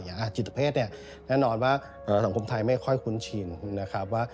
อย่างจิตเวทแน่นอนว่าสังคมไทยไม่ค่อยคุ้นชินนะครับ